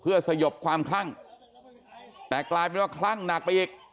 เพื่อสยบความคลั่งแต่กลายเป็นว่าคลั่งหนักไปอีก